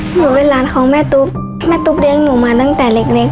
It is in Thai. หนูเป็นหลานของแม่ตุ๊กแม่ตุ๊กเลี้ยงหนูมาตั้งแต่เล็ก